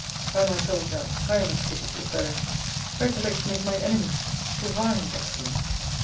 By my soul, Jack, I am a pityful fellow! Recollection is my enemy! Divine excellence!